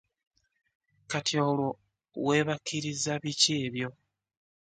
Kati olwo weebakiriza biki ebyo?